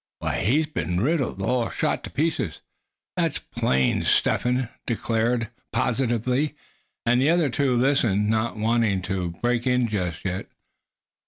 Why, he's been riddled, all shot to pieces, that's plain!" Step Hen declared, positively; and the other two listened, not wanting to break in just yet.